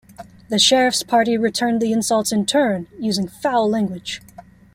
The Sheriff's party returned the insults in turn using foul language.